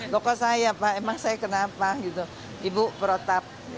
pokoknya saya pak emang saya kenapa ibu perotap